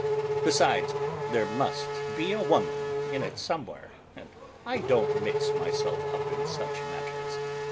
Besides, there must be a woman in it somewhere, and I don't mix myself up in such matters.